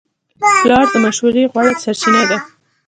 پلار د مشورې غوره سرچینه ده.